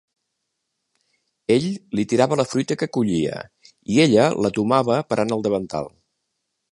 Ell li tirava la fruita que collia i ella la tomava parant el davantal.